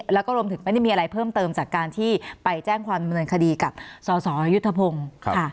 แล้วก็รวมถึงไม่ได้มีอะไรเพิ่มเติมจากการที่ไปแจ้งความดำเนินคดีกับสสยุทธพงศ์ค่ะ